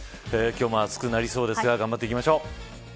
今日も暑くなりそうですが頑張っていきましょう。